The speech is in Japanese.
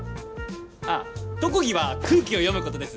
あっ特技は空気を読むことです。